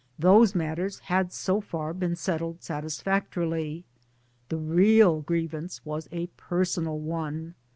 Those matters had so far been settled satisfactorily. The real grievance was a personal one.